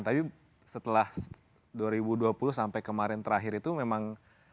tapi setelah dua ribu dua puluh sampai kemarin terakhir itu memang